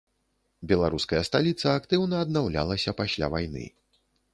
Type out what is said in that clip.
Беларуская сталіца актыўна аднаўлялася пасля вайны.